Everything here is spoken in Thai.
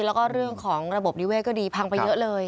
แล้วก็เรื่องของระบบนิเวศก็ดีพังไปเยอะเลย